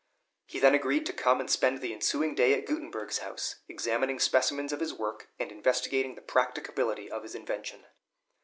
He then agreed to come and spend the ensuing day at Gutenberg's house, examining specimens of his work and investigating the practicability of his invention.